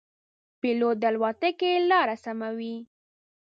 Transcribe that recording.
پیلوټ د الوتکې لاره سموي.